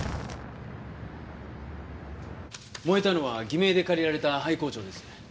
燃えたのは偽名で借りられた廃工場です。